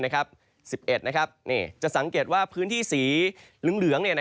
๑๑จะสังเกตว่าพื้นที่สีเหลือง